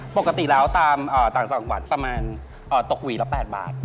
ปกติแล้วตามต่างจังหวัดประมาณตกหวีละ๘บาท